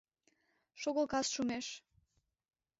Шого кас шумеш!